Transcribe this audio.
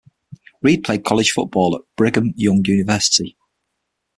Reid played college football at Brigham Young University.